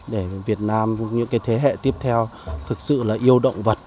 để việt nam và những thế hệ tiếp theo thực sự yêu động vật